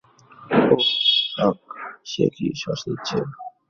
ওহ, fuck, সে কি শ্বাস নিচ্ছে?